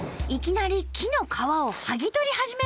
いきなり木の皮をはぎ取り始めました。